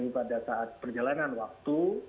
pada saat perjalanan waktu